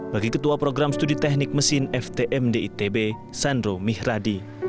bagi ketua program studi teknik mesin ftm di itb sandro mihradi